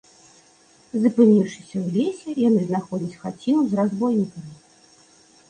Запыніўшыся ў лесе, яны знаходзяць хаціну з разбойнікамі.